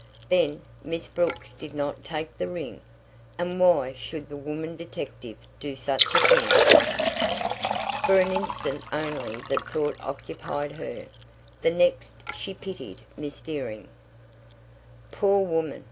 Then, Miss Brooks did not take the ring? And why should the woman detective do such a thing? For an instant only that thought occupied her. The next she pitied Miss Dearing. "Poor woman!"